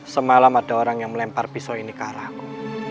semalam ada orang yang melempar pisau ini ke arahmu